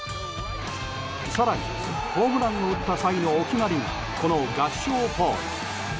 更に、ホームランを打った際のお決まりがこの合掌ポーズ。